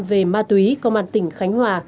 về ma túy công an tỉnh khánh hòa